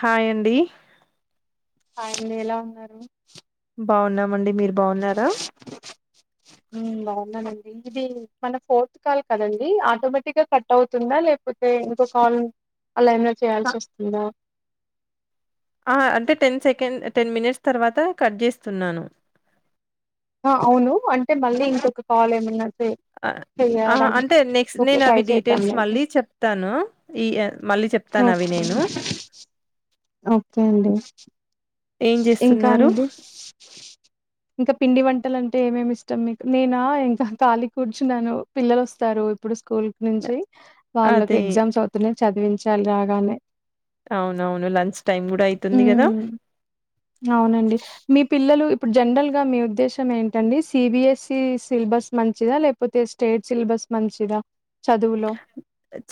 హాయండి ఆయంది ఎలా ఉన్నారు పవునం మండి మీరు బాగున్నారా ఉమ్, బాగున్నానండి ఇది మన ఫోర్త్ కాల్ కదండి ఆటోమేటిక్ గా కట్ అవుతుందా లేకపోతే ఇంకో కాల్ అలా ఏన్నా అ చేయాల్సి వస్తుందా అంటే టెన్ సెకండ్ టెన్ మినిట్స్ తర్వాత కట్ చేస్తున్నాను అవును అంటే మళ్ళీ ఇంకొక కాల్ ఏమన్నారు అంటే నెక్స్ట్ ఓకే నేను ట్రై అవి డీటెయిల్స్ చేద్దాంలేండి మళ్ళీ చెప్తాను ఈ మళ్ళీ చెప్తాను అవి ఓకే నేను ఓకే అండి ఏం ఇంకా జేస్తున్నారు? అండి ఇంకా పిండి వంటలు అంటే ఏమేమి ఇష్టం మీకు. నేనా ఇంకా కళీ కూర్చున్నాను పిల్లలు వస్తారు ఇప్పుడు సు కుల్క్ నుంచి వాళ్ళకి అదే ఎగ్జామ్స్ అవుతున్నాయ్ చదివించాలి రాగానే అవున్ అవును లంచ్ టైమ్ కూడా అయితుంది గదా ఉమ్. అవునండి. మీ పిల్లలు ఇప్పుడు జనరల్గా మీ ఉద్దేశం ఏంటండి సి బి ఎస్ఈ సిలబస్ మంచిదా లేపోతే స్టేట్ సిలబస్ మంచిదా చదువులో?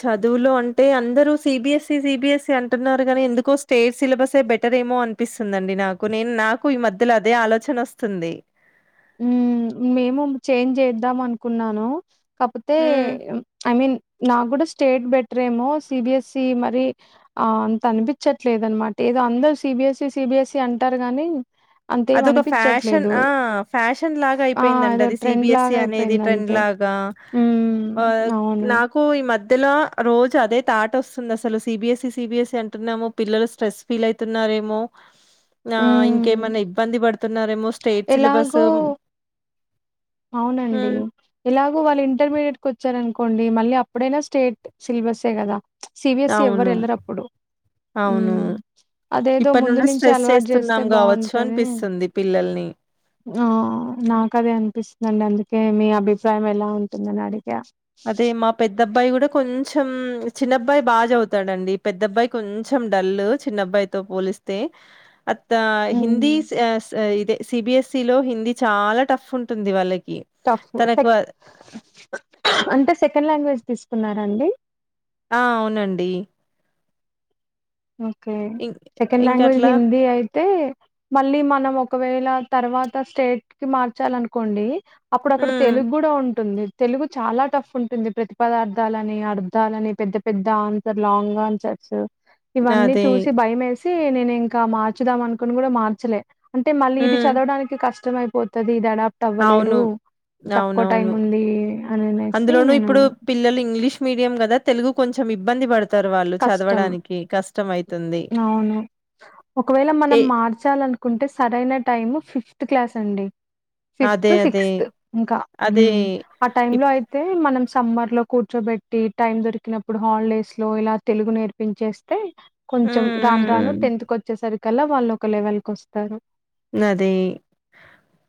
చదువులో అంటే అందరూ సి బి ఎస్ తి సి బి ఎసి అంటున్నారు గానీ ఎందుకో స్టేట్ సిలబసే బెటర్ ఏమో అనిపిస్తుందిండి నాకు. నేన్ నాకు ఈ మధ్యల అదే ఆలోచన వస్తుంది ఉమ్ మేము చేంజ్ చేద్దాం అనుకున్నాను కాపోతే హ్మ్. ఐ మీన్ నాకు కూడా స్టేట్ బెట్రేమో సి బి ఎస్సి మరి ఆ అంత అనిపించట్లేదన్మాట. ఏదో అందర్ C B SC C B SC అంటారు గానీ అంతేం అదొక ఫ్యాషన్ అనిపిచ్చట్లేదు. ఆ ఫ్యాషన్ లాగా ఆ! అయిపోయిందండి ఏదో అది సి బి ట్రెండ్ ఎస్సి లాగా అనేది ట్రెండ్ అయిపోయిందంతే. లాగా హ్మ్. వాగ్ అవును. నాకు ఈ మద్దెల రోజు అదే తాటోస్తుంది అసలు C B SC C B SC అంటున్నాము పిల్లలు స్ట్రెస్ ఫీల్ అవుతున్నారేమో ఆ హ్మ్. ఇంకేమన్నా ఇబ్ పంది పడు ఎలాగో అవునండి హ్మ్. ఎలాగో వాళ్ళు ఇంటర్మీడియట్ కు వచ్చారను కోండి మళ్ళీ అప్పుడైనా స్టేట్ సిలబస్సే కదా అవును అవును హ్మ్. అదేదో ఇప్పటి ముందు నుండే నుంచే స్ట్రెస్ అలవాటు చేస్తున్నాం జేస్తే కావచ్చు బావుంటది. అనిపిస్తుంది పిల్లల్ని ఆ నాకదే అనిపిస్తుందండి అందుకే మీ అభిప్రాయం ఎలా ఉంటుందని అడిగా అదే మా పెద్ద అబ్బాయి కూడా కొం చెం చిన్నబ్బాయి బాగా చవుతాడండి పెద్ద అబ్బాయి కొంచెం డల్ చిన్నబ్బాయ్ తో పోలిస్తే అ త హ్మ్. హిందీ సే స్ ఆ ఇదే సిబిఎస్ఈ లో హిందీ చాలా టఫ్ ఉంటుంది వాళ్ళక్ కి టఫ్ తనకు సెక్ ఆ అంటే సెకండ్ లాంగ్వేజ్ తీసుకున్నార అండి ఆ అవునండి ఓకే ఇం సెకండ్ లాంగ్వేజ్ ఇంకట్లా హిందీ అయితే మళ్ళీ మనం ఒకవేళ తర్వాత స్టేట్ కి మార్చాలనుకోండి అప్పుడు అక్కడ హ్మ్. తెలుగుండా ఉంటుంది తెలుగు చాలా టఫ్ ఉంటుంది ప్రతిపదార్థాలని అర్థాలని పెద్ద పెద్ద ఆన్సర్ లాంగ్ ఆన్సర్స్ ఇవన్నీ అదే. చూసి భయమెస్ సి నేను ఇంకా మార్చుదాం అనుకొని కూడా మార్చలే అంటే మళ్ళీ ఇది హ్మ్. చదవడానికి కష్ ష్టమయి పోతది దడ అవును. ట్టవ్వలేరు తక్కువ టైం అవునవును. ఉంది అననేసి అందులోనూ నేను ఇప్పుడు పిల్లలు ఇంగ్లీష్ మీడియం కదా తెలుగు కొంచెం ఇబ్బంది పడ్ తారు వాళ్ళు కష్టం. చదవడానికి కష్టమయి అవును ఒకవేళ ఏ మనం మార్చాలనుకుంటే సరైన టైమ్ ఫిఫ్త్ క్లాస్ అండి ఫిఫ్త్ అదే. అదే. సిక్స్త్ ఇంకా హు ఆ అదే. టైం లో అయితే మనం సమ్మర్ ట్లో కూర్చోబెట్టి టైం దొరికినప్పుడు హాలిడేస్ లో ఇలా తెలుగు నేర్పించేస్తే హ్మ్. కొంచెం రాను రాను హ్మ్. టెన్త్ కొచ్చేసరి కల్ల వాళ్ళు ఒక లెవెల్ కొస్తారు అదే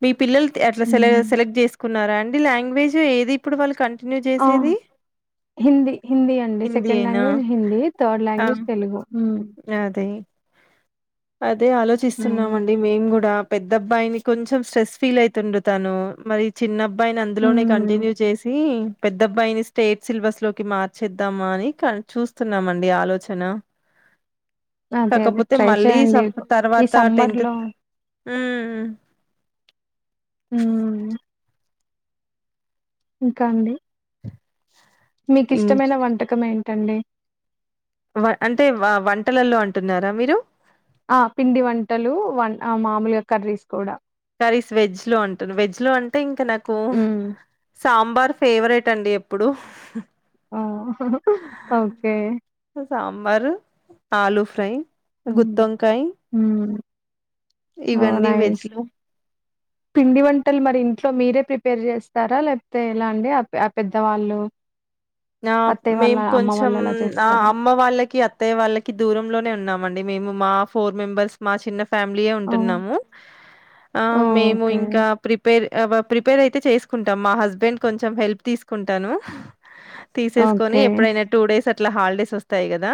మీ పిల్లల్ త్ ఎట్లా సె హ్మ్. సెలెక్ట్ చేసుకున్నార అండి లాంగ్వేజ్ జ్ ఏది ఇప్పుడు వాళ్ళకన్ ఆ హిందీ హిందీ అండి సెకండ్ హిందీయేనా? లాంగ్వేజ్ హిందీ థర్డ్ ఆ! లాంగ్వేజ్ తెలుగు హు అదే అద్ అదే హ్మ్. ఆలోచిస్తున్నామండి మేం గూడా పెద్ద అబ్బాయిని కొంచెం స్ట్రెస్ ఫీల్ అయితుండు తను మరి చిన్నబ్ బ్బాయిని అందులోనే హ్మ్. కంటిన్యూ చేసి పెద్ద అబ్బాయిని స్టేట్ సిలబస్ లోకి మార్చేద్దామా అని క చూస్తున్నామండి ఆలోచన అదే అదే ట్రై చేయండి చెప్ ఈ తర్వాత టెన్త్ సమ్మర్‌లో హ్మ్మ్ హ్మ్ ఇంకా అండి మీకు హ్మ్. ఇష్టమైన వంటకం ఏం టండి వ అంటే వంటలల్లో అంటున్నారా మీరు ఆ పిండి వంటలు వం మామూలుగా కర్రీస్ కూడా కర్రీస్ వెజ్ లో అంటరు వెజ్ లో అంటే ఇం ఇంక నాకు హ్మ్. సాంబార్ ఫేవరెట్ అండి ఎప్పుడూ ఆ! ఓకే. సాంబారు ఆలూ ఫ్రై గుత్తొంకాయ్ ఓం నైస్ పిండి వంటలు మరి ఇంట్లో మీరే ప్రిపేర్ చేస్తారా లేకపోతే ఏలా అండి ఆ ఆ పెద్దవాళ్ళు ఆ అత్తయ్య వాళ్ళ, మేము అమ్మ కొంచెం వాళ్ళు అలా ఆ చేస్తారా? అమ్మ వాళ్ళకి అత్తయ్య వాళ్ళకి దూరంలోనే ఉన్నామండి. మేము మా ఫోర్ మెంబర్స్ మా చిన్న ఫ్యామిలీయే ఓహ్! ఉంటున్నాము. ఆ ఓహ్! మేము ఓకే. ఇంకా ప్రిపేర్ ఆ బ ప్రిపేర్ అయితే చేసుకుంటాం మా హస్బెండ్ కొంచెం హెల్ప్ తీసుకుంటాను తీసేస్ కొని ఓకే. ఎప్పుడైనా టూ డేస్ అ ట్లా హాలిడేస్ వస్తాయి గదా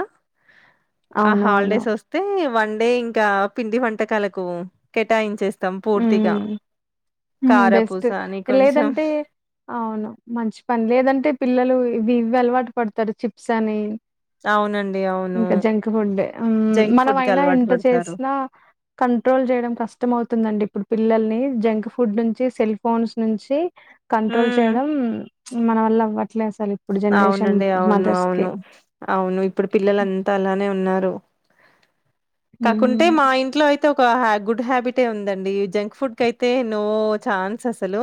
ఆ అవునవును. హాలిడేస్ వస్తే వన్డే ఇంకా పిండి వంటకాలకు కేటాయించేస్ హ్మ్ బెస్ట్, కారపూస అని కొంచెం లేదంటే! అవును మంచి పని లేదంటే పిల్లలు ఇవి ఇవలవాటు పడతారు చిప్స్ అని అవునండి అవును ఇంకా జంక్ ఫుడ్ హ్మ్ జంక్ ఫుడ్ కి మనమైనా అలవాటు ఎంత పడతారు. చేసినా కంట్రోల్ చేయడం కష్టం అవు ఇప్పుడు పిల్లల్ని జంక్ ఫుడ్ నుంచి సెల్ ఫోన్స్ నుంచి కంట్రోల్ హ్మ్ చేయడం మన వల్ల అవ్వట్లే అసలు ఇప్పుడు జనరేషన్ అవునండి అవును మదర్స్ కి అవును అవును ఇప్పుడు పిల్లలు అంతా అలానే ఉన్నారు. కాకుంటే మ్మ్ మా ఇంట్లో అయి అయితే ఒక గుడ్ హ్యాబిటే ఉందండి జంక్ ఫుడ్ క అయితే నో ఛాన్స్ అసలు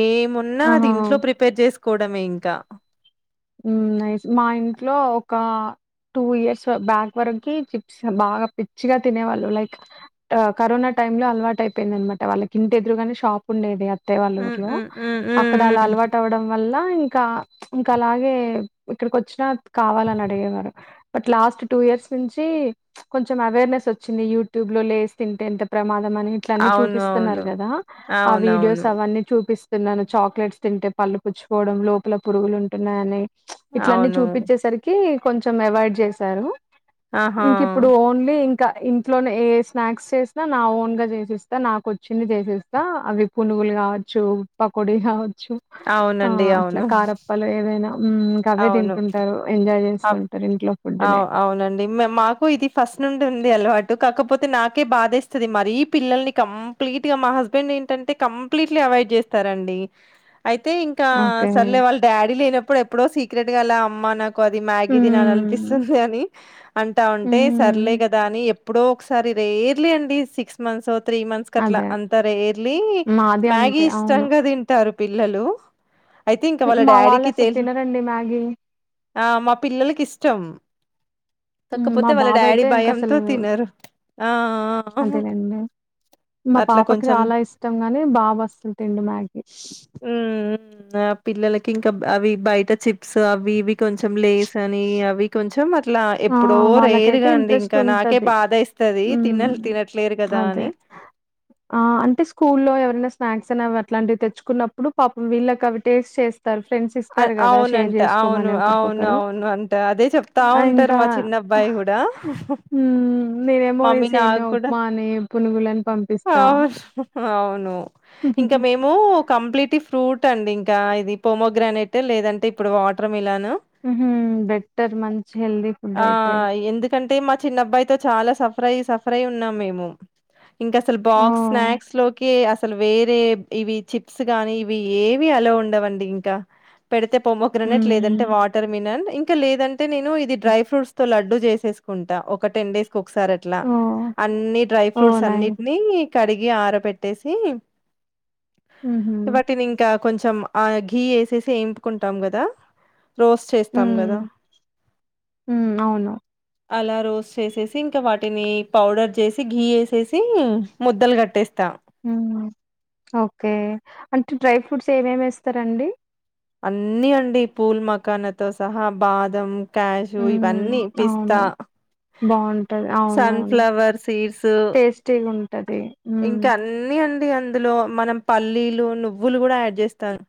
ఏమున్నా అది ఆహా ఇంట్లో ప్రిపేర్ చేసు కోడమే ఇంకా ఊ నైస్ మా ఇంట్లో ఒక టూ ఇయర్స్ బ్యాక్ వరకి, చిప్స్ బాగా పిచ్చిగా తినేవాళ్ళు. లైక్ కరోనా టైమ్ లో అలవాటు అయిపోయింది అనమాట. వాళ్ళకి ఇంటి ఎదురుగానే షాప్ ఉండేది. ఉంటై వాళ్ళ హ్మ్ ఊర్ లో హ్మ్ హ్మ్ హ్మ్ అక్కడ అల హ్మ్ అలవాటు అవ్వడం వల్ల ఇంకా ఇంకా ఇంక్ అలాగే ఇక్కడికి వచ్చిన కావాలని అడిగేవారు. బట్ లాస్ట్ టూ ఇయర్స్ నుంచి కొంచం అవేర్నెస్ వచ్చింది. యూట్యూబ్ లో లేస్ తింటేంత ప్రమాదం. మని ఇట్లన్నీ అవును చూపిస్తున్నారు అవును కదా ఆ వీడియోస్ అవునవును అవన్నీ చూపిస్ తిన్నాను చాక్లెట్స్ తింటే పళ్ళు పుచ్చుపోవడం లోపల పురుగులుం పననే ఇట్లన్నీ అవును చూపిచ్చేసరికి కొంచెం అవాయిడ్ చేశారు ఆహా ఇంక ఇప్పుడు ఓన్లీ ఇం ఇంకా ఇంట్లోనే ఏ స్నాక్స్ చేసినా, నా ఓన్గా చేసేస్తా. నాకు వచ్చింది చేసేస్తా. అవి పునుగులు కావచ్చు. పకోడి కావ చ్చు ఆ అవునండి అట్ల అవును కారమ్ ఏదైనా ఉం ఇంకా అవే తింటుంటారు ఎంజాయ్ అవ్ జేస్తుంటారు ఇంట్లో ఆ ఫుడ్‌నే. అవునండి మాకు ఇది ఫస్ట్ నుండి ఉంది అలవాటు అ కాకపోతే నాకే బాధే ఏస్తది. మరీ పిల్లల్ని కంప్లీట్ గా మా హస్బెండ్ ఏంటంటే, కంప్లీట్లీ అవాయిడ్ చేస్తారండి. అయితే ఇంకా ఓకే. సర్లే వాళ్ళ డాడీ లేనప్పుడు ఎప్పుడో సీ క్రికెట్ గాళ్ళ అమ్మ నాక్ అది మ్యాగీ తినాలి హ్మ్. అనిపిస్తుంది అని అంటా ఉంటే సర్లే హ్మ్. కదా అని ఎప్పుడో ఒకసారి రేర్లి అండి సిక్స్ మంత్స్ అవ్ త్రీ మంత్స్ కట్లా అదే. అంతా రేర్లి మాది మ్యాగి అంతే అవును. ఇష్టంగా తింటారు పిల్లలు అయితే ఇంకా వాళ్ళ మా వాళ్ళు డాడీకి అసలు తినరండి మ్యాగీ అ మా పిల్లలకి ఇష్టం మా బాబు అయితే ఇంకా అసలు తినరు ఆ ఆ అదేలేండి. మా అట్లా పాపకి కొంచెం చాలా ఇష్టం గాని బాబు అసలు తిండు మ్యాగీ. ఉమ్ ఆ పిల్లలకి ఇంకా అవి బయట చిప్స్ అవి ఇవి కొంచెం లేస్ అని అవి కొంచెం అట్లా ఎప్ వాళ్ళకతే ఇంట్రెస్ట్ ఉంది అదే బాధ ఏస్తది తినల్ తినట్లేరు కదా అని అంటేకూ ఎవరక్ అట్లాంటివి తెచ్చుకున్నప్పుడు పాపం వీళ్ళకి అవి టేస్ట్ చేస్తా అవునంట అవును అవును ఒకరికొకరు అవును అంట అదే చెప్తా ఆ ఉంటారు ఇంకా మా చిన్న నేనేమో మమ్మీ ఈస ఏమే నాకు కూడా ఉప్మా అని పునుగులని పంపిస్తా అవును. అవును ఇంకా మేము కంప్లీట్ ఫ్రూట్ అండి ఇంకా ఇది ఇ పో మొ గ్రానైట్ లేదంటే ఇప్పుడు వాటర్ మిలా బెట్టర్ మంచి హెల్దీ ఫుడ్ అయితే అయితే మా చిన్న అబ్బాయితో చాలా సఫర్ సఫర్ అయి ఉన్నాం మేము ఇంకా అసలు బాక్స్ ఓహ్! స్నాక్స్ లోకి అ అసలు వేరే ఇవి చిప్స్ కాగానీ ఇవి ఏవి అలో ఉండవండి ఇంకా పెడితే పోమోగ్రనేట్ లేదంటే హ్మ్ వాటర్ మినండ్ ఇంకా లేదంటే అ నేను ఇదిడై ఫ్రూట్స్ తో డ్డు చేసేసుకుంటా ఒక టెన్ డేస్ ఒకసారి అట్లా ఓహ్! అన్ని డ్రై ఓహ్! ఫ్రూట్స్ నైస్ అన్నిటిని కడిగి ఆర పెట్టేసి హుహు. వా వాటిని ఇంకా కొంచెం ఆఘీ వేసే చేయిపుకుంటాం కదా రోజ చేస్తాం హ్మ్. కదా హ్మ్. అవును. అలా రోస్ట్ చేసేసి ఇంకా వాటిని పౌడర్ చేసి గీ వేసేసి ముద్దలు కట్టేస్తా ఓకే అంటే డ్రై ఫ్రూట్స్ ఏమేమి ఇస్తారండి అన్ని అండి పూల్ మకాన్తో సహా బాదం క్యాషు హ్మ్. ఇవన్నీ అవును. పిస్తా బావుంటది. అవునవును. సన్ఫ్లవర్ సీడ్స్ టేస్టీగుంటది. హ్మ్. ఇంకా అన్ని అ అందులో మనం పల్లీలు నువ్వులు కూడా యాడ్ చేస్తాను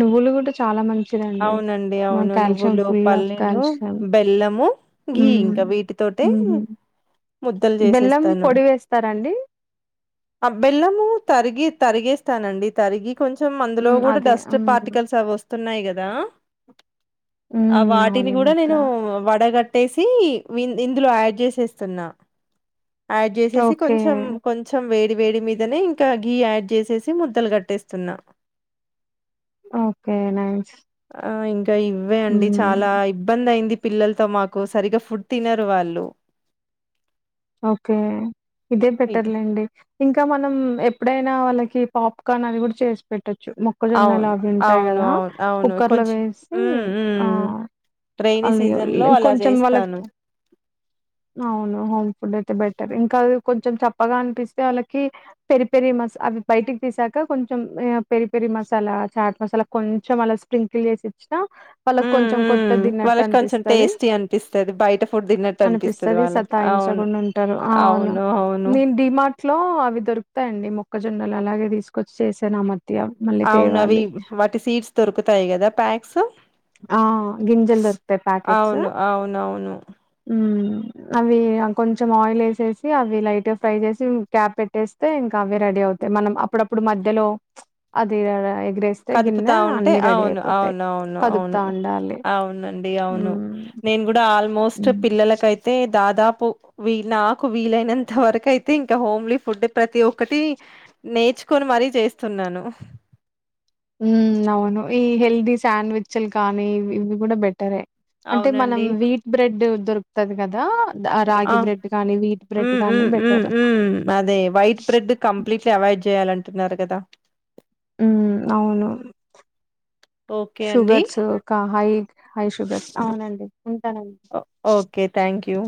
నువ్వులు కూడా చాలా మంచి అవునండి అవును నువ్వులు ఆఫ్ పల్లీలు కాల్షియం. బెల్లము గి ఇంకా హ్మ్. వీటితోట హుహు. ముద్దలు బెల్లం చేసేస్తాను పొడి వేస్తారాండి? ఆ బెల్లము తరిగి తరిగేస్తానండి తరిగి కొంచెం అందులో హ్మ్. కూడా అదే. డస్ట్ హ్మ్. పార్టికల్స్ అవి వస్తయి న్నా బ ఆ హ్మ్. వాటిని అవును ఈ కూడా మధ్య. నేను వడగట్ కట్టేసి ఇందులో యాడ్ చేసేస్తున్నా యాడ్ చేసేసి ఓకే. కొంచెం కొంచెం వెయిట్ వేడి మీదనే ఇంకా గీ యాడ్ చేసేసి ముద్దలు కట్టేస్తున్నా ఓకే నైస్ ఆ ఇంకా ఇంకా ఇవే అండి హ్మ్. చాలా ఇబ్బంది అయింది. పిల్లలతో మాకు సరిగ్గా ఫుడ్ తినరు వాళ్ళు ఓకే ఇదే ఇ బెటర్లేండి. ఇంకా మనం ఎప్పుడైనా వాళ్ళకి పాప్కార్న్ అది కూడా చేసి పెట్ట మొక్కజొన్నలు అవును అవి ఉంటాయి అవును కదా అవును అవును కుక్కర్లో కొంచెం వేసి మ్మ్ ఆ మ్మ్ రైైనీ సీజన్ లో [unintelligible] అలా కొంచెం వాళ్ళకి చేస్తాను అవునువును ఫుడ్ అయితే బెటర్ ఇంకావి కొంచెం చప్పగా అనిపిస్తే వాళ్ళకి పెరి పెరి మస అవి బయటికి తీసాక కొంచెం పెరి పెరి మసాలా చాట్ మసాలా కొంచెం అలా స్ప్రింకిల్ చేసి ఇచ్చిన మ్ మ్ వాళ్ళకి కొంచెం అనిపిస్తది. టేస్టీ అనిపిస్తది. బయట ఫుడ్ తిన్నట్టు అనిపిస్తది. వాళ్ళకి అవు [unintelligible] ఉంటరు ఆ అవును నేను డిమార్ట్ ట్లో అవి దొరుకుతాయండి మొక్కజొన్నలు అలాగే తీసుకొచ్చి చేసాను ఆ మద్ అవునఅవి వాటి సీడ్స్ దొరుకుత తాయి కదా ప్యాక్స్ ఆ గింజలు దొరుకుతాయి ప్యాకెట్స్ అవును అవునవును. మ్ అవి కొంచం ఆయిల్ వేసేసి అవి లైట్గా ఫ్రై చేసి క్యాప్ పెట్టేస్తే ఇంకా అవి రెడీ అవుతాయి మనం అప్పుడప్పుడు మధ్యలో చమ్ అది ఎగిరేస్తే గిన్నె కదుపుతా ఉంటే అన్ని రెడీ అవును అయిపోతాయి అవును అవును అవును కదుపుతా ఉండాలి అవును. అండి అవును మ్మ్ నేను కూడా అల్ ఆల్మోస్ట్ పిల్లలకైతే దాదాప్ ప్ నాకు వీలైనంత వరకైతే ఇంకా హోమ్లీ ఫుడ్ ప్రతి ఒక్కటి నేర్చుకొని మరీ చేస్తున్నాను. ఉమ్ అవును ఈ హెల్దీ శాండ్విచ్లు కానీ ఇవి కూడా బెటరే అంటే మనం అవునండి. వీట్ బ్రెడ్ దొరుకుతది కదా ఆ మ్ కానీ మ్ బెటర్. మ్ మ్ అదే వైట్ బ్రెడ్ కంప్లీట్లీ అవాయిడ్ చేయాలంట్ న్నారుగదా ఉమ్ అవును ఓకే అండి. షుగర్స్ క హైక్ హై శుభ్ర అవునండి ఉంటానండి. Okay thank you